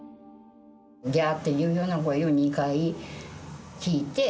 ぎゃーっていうような声を２回聞いて。